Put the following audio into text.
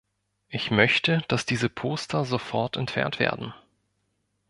Ich möchte, dass diese Poster sofort entfernt werden!